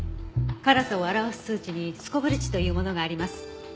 辛さを表す数値にスコヴィル値というものがあります。